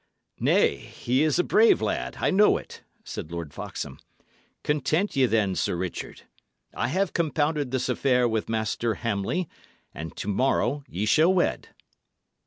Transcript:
"Nay, he is a brave lad I know it," said Lord Foxham. "Content ye, then, Sir Richard. I have compounded this affair with Master Hamley, and to morrow ye shall wed."